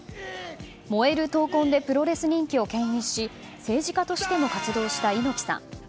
燃える闘魂でプロレス人気を牽引し政治家としても活動した猪木さん。